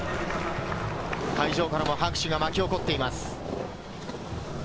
会場からも拍手が巻き起こっています。